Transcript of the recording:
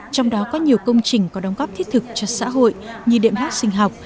trong đó có nhiều công trình có đóng góp thiết thực cho xã hội như điện thoát sinh học